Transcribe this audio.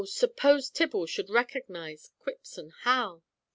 suppose Tibble should recognise Quipsome Hal!